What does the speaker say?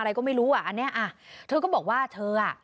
อะไรก็ไม่รู้อ่ะอันเนี้ยอ่ะเธอก็บอกว่าเธออ่ะ